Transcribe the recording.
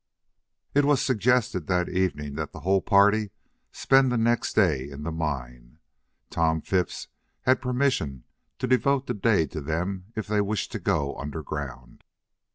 It was suggested that evening that the whole party spend the next day in the mine. Tom Phipps had permission to devote the day to them if they wished to go underground.